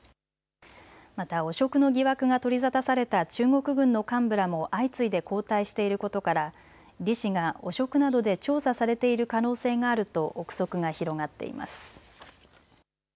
また汚職の疑惑が取り沙汰された中国軍の幹部らも相次いで交代していることから李氏が汚職などで調査されている可能性があると臆測が広がっています。